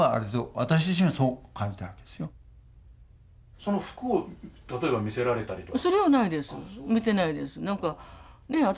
その服を例えば見せられたりとか？